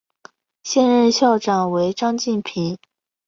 现任校长为张晋平。